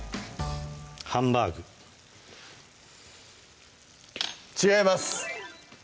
ハンバーグ違います！